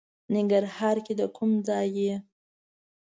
ننګرهار کې د کوم ځای؟